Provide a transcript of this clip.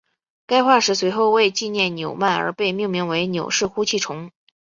该化石随后为纪念纽曼而被命名为纽氏呼气虫。